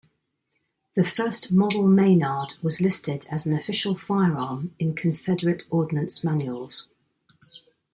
The First Model Maynard was listed as an official firearm in Confederate ordnance manuals.